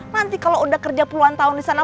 nanti kalo udah kerja puluhan tahun disana